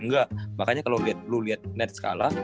engga makanya kalo lu liat nets kalah